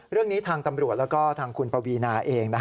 เรื่องนี้ทางตำรวจแล้วก็ทางคุณปวีนาเอง